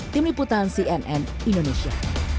tim liputan cnn indonesia